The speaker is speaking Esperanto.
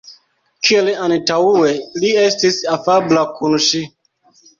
Kiel antaŭe, li estis afabla kun ŝi.